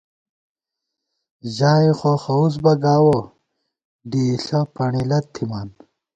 ژائے خوخَوُس بہ گاوَہ، ڈېئیݪہ پݨیلَت تھِمان